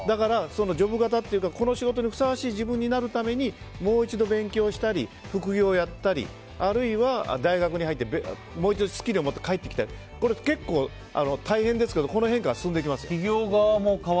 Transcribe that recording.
だから、この仕事にふさわしい自分になるためにもう一度勉強したり副業をやったりあるいは大学に入ってもう一度スキルを取りに戻ってくると。これ、結構大変ですが進んでいきます。